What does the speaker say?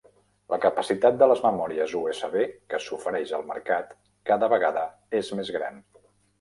La capacitat de les memòries USB que s'ofereix al mercat cada vegada és més gran.